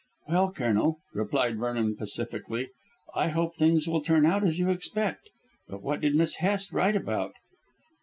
"Well, Colonel," replied Vernon pacifically, "I hope things will turn out as you expect. But what did Miss Hest write about?"